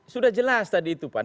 sudah jelas tadi tupan